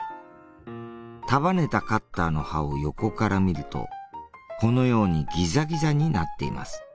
束ねたカッターの刃を横から見るとこのようにギザギザになっています。